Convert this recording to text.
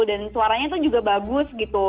dan suaranya tuh juga bagus gitu